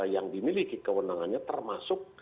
yang dimiliki kewenangannya termasuk